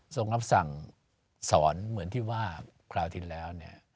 รับสั่งสอนเหมือนที่ว่าคราวที่แล้ว